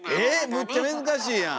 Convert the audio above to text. むっちゃ難しいやん！